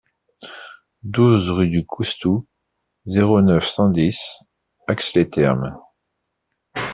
douze rue du Coustou, zéro neuf, cent dix, Ax-les-Thermes